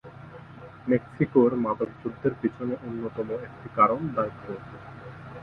মেক্সিকোর মাদক যুদ্ধের পিছনে অন্যতম একটি কারণ দারিদ্র্য।